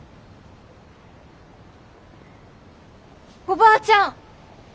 おばあちゃん！